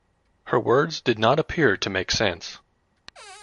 Her words did not appear to make sense.